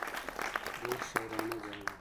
ډېر شاعرانه ځای و.